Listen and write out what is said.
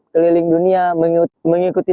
keliling dunia mengikuti